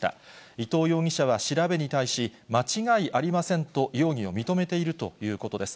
伊藤容疑者は調べに対し、間違いありませんと、容疑を認めているということです。